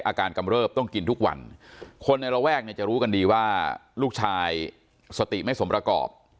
กำเริบต้องกินทุกวันคนในระแวกเนี่ยจะรู้กันดีว่าลูกชายสติไม่สมประกอบ